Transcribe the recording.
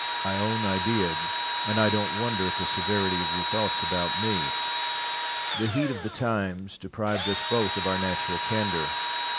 Mr. Hampden. I own I did, and I don't wonder at the severity of your thoughts about me. The heat of the times deprived us both of our natural candour.